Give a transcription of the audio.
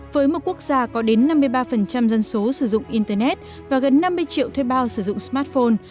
với một quốc gia có đến năm mươi ba dân số sử dụng internet và gần năm mươi triệu thuê bao sử dụng smartphone